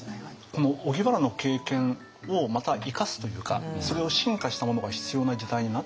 この荻原の経験をまた生かすというかそれを進化したものが必要な時代になってきたよねと。